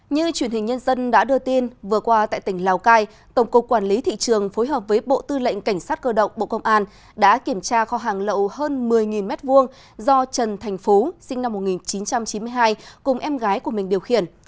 như truyền hình nhân dân đã đưa tin vừa qua tại tỉnh lào cai tổng cục quản lý thị trường phối hợp với bộ tư lệnh cảnh sát cơ động bộ công an đã kiểm tra kho hàng lậu hơn một mươi m hai do trần thành phú sinh năm một nghìn chín trăm chín mươi hai cùng em gái của mình điều khiển